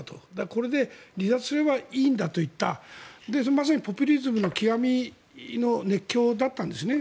これで離脱すればいいんだと言ったまさにポピュリズムの極みの熱狂だったんですね。